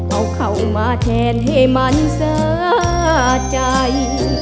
เอาเขามาแทนให้มันเสียใจ